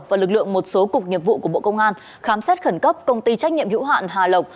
và lực lượng một số cục nhiệp vụ của bộ công an khám xét khẩn cấp công ty trách nhiệm hữu hạn hà lộc